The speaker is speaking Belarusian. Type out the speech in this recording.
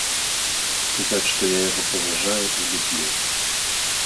Сказаць, што я яго паважаю і люблю.